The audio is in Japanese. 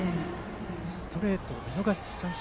ストレートを見逃し三振。